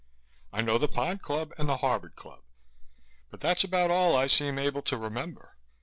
I know the Pond Club and the Harvard Club, but that's about all I seem able to remember.